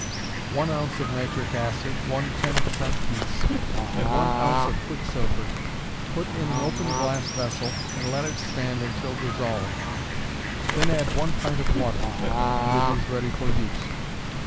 _ One ounce of nitric acid, one ten cent piece, and one ounce of quick silver. Put in an open glass vessel and let it stand until dissolved; then add one pint of water, and it is ready for use.